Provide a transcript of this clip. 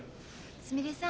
すみれさん